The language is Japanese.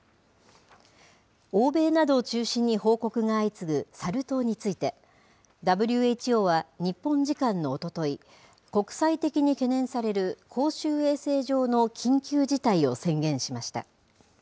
欧米などを中心に報告が相次ぐサル痘について、ＷＨＯは日本時間のおととい、国際的に懸念される公衆衛生上の緊急事態を宣言しました。